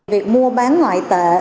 việc mua bán ngoại tệ